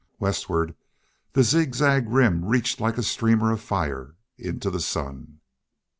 Westward the zigzag Rim reached like a streamer of fire into the sun.